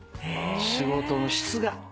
仕事の質が。